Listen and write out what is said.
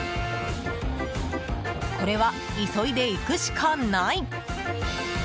これは急いで行くしかない！